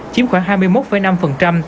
chiếm khoảng hai mươi một năm